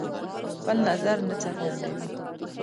خپل نظر نه څرګندوي.